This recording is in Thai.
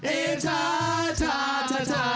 เอจาหน่อยแม่